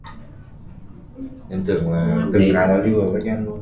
The opposite of suffering is pleasure or happiness.